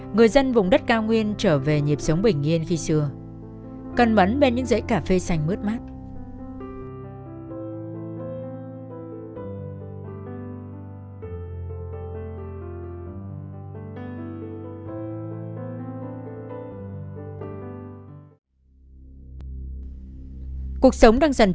người dân vùng đất cao nguyên trở về nhịp sống bình yên khi xưa cân bắn bên những dãy cà phê xanh mướt mát